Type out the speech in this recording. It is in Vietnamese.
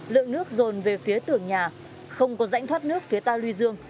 lượng nước rồn về phía tường nhà không có rãnh thoát nước phía ta luy dương